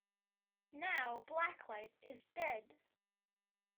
Now Blacklight is dead.